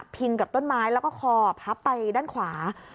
กับต้นไม้แล้วก็คอพับไปด้านขวา